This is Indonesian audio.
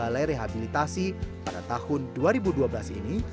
balai rehabilitasi pada tahun dua ribu dua belas ini